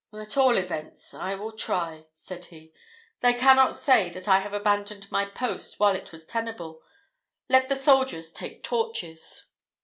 "At all events I will try," said he: "they cannot say that I have abandoned my post while it was tenable. Let the soldiers take torches."